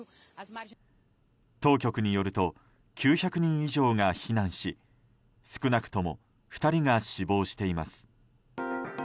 当局によると９００人以上が避難し少なくとも２人が死亡しています。